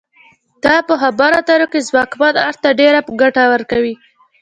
دا په خبرو اترو کې ځواکمن اړخ ته ډیره ګټه ورکوي